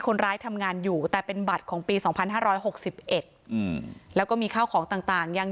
คนร้ายทำงานอยู่แต่เป็นบัตรของปี๒๕๖๑แล้วก็มีข้าวของต่างยัง